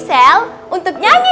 kalian aktif seperti itu